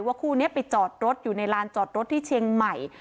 คู่นี้ไปจอดรถอยู่ในลานจอดรถที่เชียงใหม่